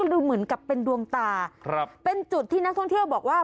ดูเหมือนกับเป็นดวงตาครับเป็นจุดที่นักท่องเที่ยวบอกว่า